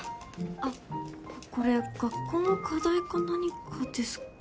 あっこれ学校の課題か何かですかね？